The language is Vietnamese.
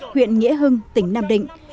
huyện nghĩa hưng tỉnh nam định